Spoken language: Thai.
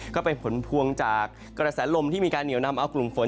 ก็เป็นผลพวงจากกระแสลมที่มีการเหนียวนำเอากลุ่มฝน